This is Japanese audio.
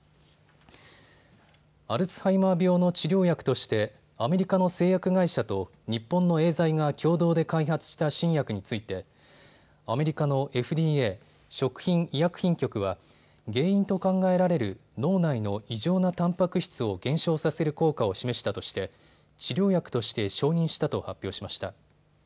アルツハイマー病の治療薬としてアメリカの製薬会社と日本のエーザイが共同で開発した新薬についてアメリカのＦＤＡ・食品医薬品局は原因と考えられる脳内の異常なたんぱく質を減少させる効果を示したとして治療薬として承認したと発表しました。